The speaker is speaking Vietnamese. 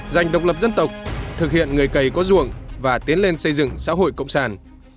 dành độc lập dân tộc thực hiện người cầy có ruộng và tiến lên xây dựng xã hội cộng sản